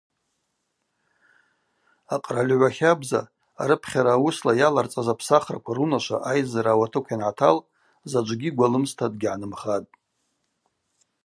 Акъральыгӏва хабза Арыпхьара ауысла йаларцӏаз апсахраква рунашва айззара ауатыкв йангӏатал заджвгьи гвалымста дгьгӏанымхатӏ.